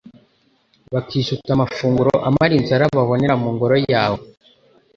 bakijuta amafunguro amara inzara babonera mu Ngoro yawe